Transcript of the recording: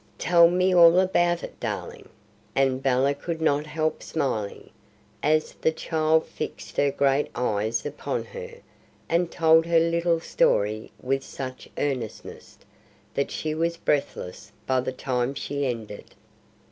"Tell me all about it, darling," and Bella could not help smiling, as the child fixed her great eyes upon her, and told her little story with such earnestness, that she was breathless by the time she ended.